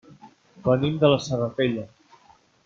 Venim de la Serratella.